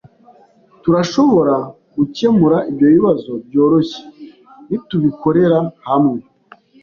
Turashobora gukemura ibyo bibazo byoroshye nitubikorera hamwe.